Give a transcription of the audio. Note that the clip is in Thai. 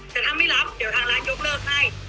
แต่ถ้าไม่รับเดี๋ยวทางร้านยกเลิกให้